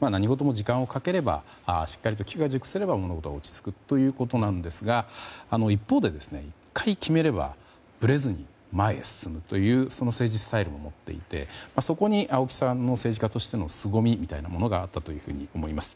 何事も時間をかければしっかりと機が熟せば物事は落ち着くということなんですが一方で１回決めればぶれずに前に進むという政治スタイルを持っていてそこに青木さんの政治家としてのすごみがあったと思います。